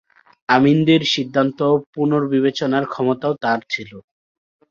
আমিনদের সিদ্ধান্ত পুনর্বিবেচনার ক্ষমতাও তার ছিল।